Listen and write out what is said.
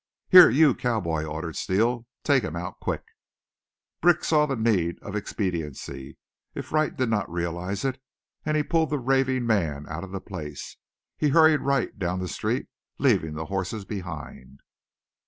"Here, you cowboy," ordered Steele; "take him out, quick!" Brick saw the need of expediency, if Wright did not realize it, and he pulled the raving man out of the place. He hurried Wright down the street, leaving the horses behind.